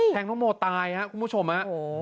น้องโมตายครับคุณผู้ชมฮะ